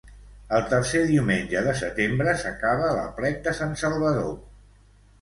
El tercer diumenge de setembre s'acaba l'Aplec de Sant Salvador.